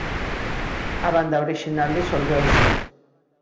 A banda orixinal disolveuse.